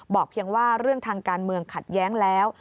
เพียงว่าเรื่องทางการเมืองขัดแย้งแล้ว